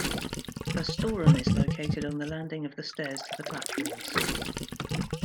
A storeroom is located on the landing of the stairs to the platforms.